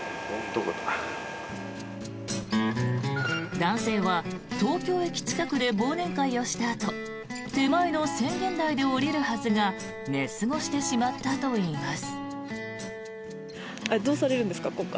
男性は東京駅近くで忘年会をしたあと手前のせんげん台で降りるはずが寝過ごしてしまったといいます。